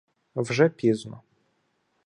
Вже пізно.